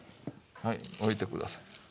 はい置いて下さい。